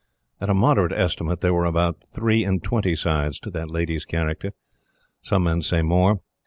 At a moderate estimate there were about three and twenty sides to that lady's character. Some men say more.